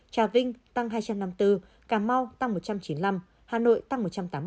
trà vinh tăng hai trăm năm mươi bốn cà mau tăng một trăm chín mươi năm hà nội tăng một trăm tám mươi